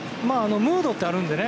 ムードってあるんでね。